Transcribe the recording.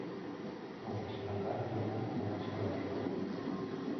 Алдашҡандар ғына аҙашалар.